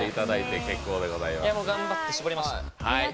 いやもう頑張って絞りました。